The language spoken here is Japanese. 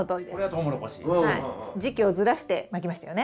時期をずらしてまきましたよね。